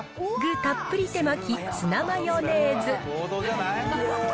たっぷり手巻ツナマヨネーズ。